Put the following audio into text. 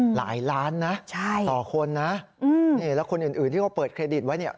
หลายล้านนะต่อคนนะนี่แล้วคนอื่นที่เขาเปิดเครดิตไว้เนี่ย